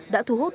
đã thu hút gần